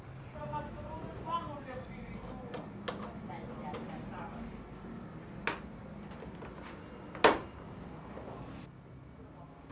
kita pas ke rumah mau liat tv